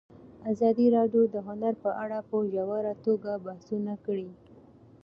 ازادي راډیو د هنر په اړه په ژوره توګه بحثونه کړي.